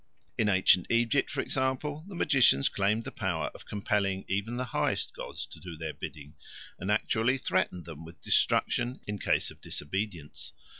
In ancient Egypt, for example, the magicians claimed the power of compelling even the highest gods to do their bidding, and actually threatened them with destruction in case of disobedience.